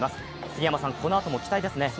杉山さん、このあとも期待ですね。